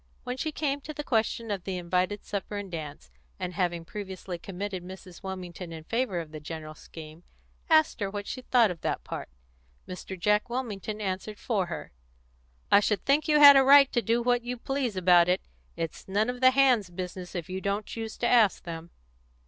When she came to the question of the invited supper and dance, and having previously committed Mrs. Wilmington in favour of the general scheme, asked her what she thought of that part, Mr. Jack Wilmington answered for her "I should think you had a right to do what you please about it. It's none of the hands' business if you don't choose to ask them."